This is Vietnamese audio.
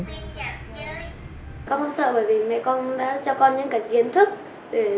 con không sợ bởi vì mẹ con đã cho con những cái kiến thức